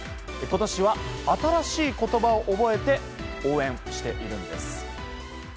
今年は新しい言葉を覚えて応援しているんです。